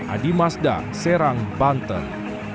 adi mazda serang banten